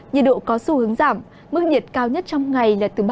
nhiệt độ có xu hướng giảm mức nhiệt cao nhất trong ngày là từ ba mươi đến ba mươi ba độ